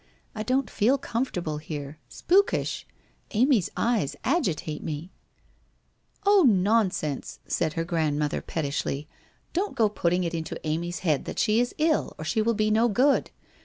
I don't feel comfortable here. Spookishl Amy's eyes agitate me !' 'Oh, nonsense,' said her grandmother pettishly, 'don't go putting it into Amy's head that she is ill, or she will be no good.